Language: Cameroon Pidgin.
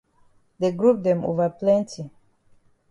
De group dem don ova plenti.